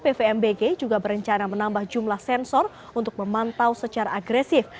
pvmbg juga berencana menambah jumlah sensor untuk memantau secara agresif